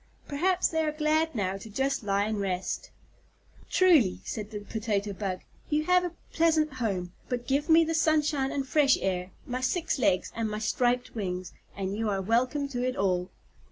Perhaps they are glad now to just lie and rest." "Truly," said the Potato Bug, "you have a pleasant home, but give me the sunshine and fresh air, my six legs, and my striped wings, and you are welcome to it all."